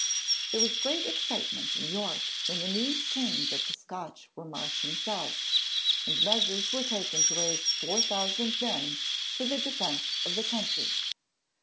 There was great excitement in York when the news came that the Scotch were marching south, and measures were taken to raise 4,000 men for the defence of the country.